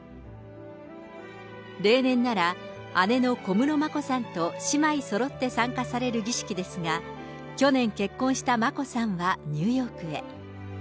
例年なら、姉の小室眞子さんと姉妹そろって参加される儀式ですが、去年結婚した眞子さんはニューヨークへ。